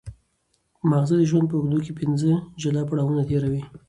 ماغزه د ژوند په اوږدو کې پنځه جلا پړاوونه تېروي.